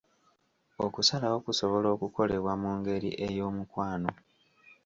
Okusalawo kusobola okukolebwa mu ngeri ey'omukwano.